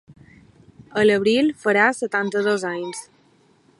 A l’abril farà setanta-dos anys.